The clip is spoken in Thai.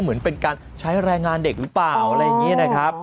เหมือนเป็นการใช้แรงงานเด็กหรือเปล่าอะไรอย่างนี้นะครับ